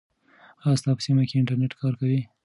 آیا ستا په سیمه کې انټرنیټ کار کوي؟